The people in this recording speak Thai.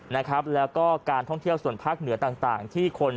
นะครับแล้วก็การท่องเที่ยวส่วนภาคเหนือต่างต่างที่คน